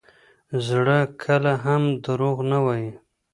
زړه کله هم دروغ نه وایي.